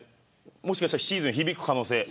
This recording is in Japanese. もしかしたらシーズンに響く可能性も。